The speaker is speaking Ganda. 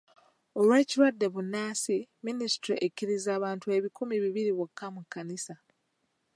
Olw'ekirwadde bbunansi, minisitule ekkiriza abantu ebikumi bibiri bokka mu kkanisa.